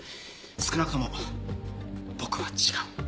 少なくとも僕は違う。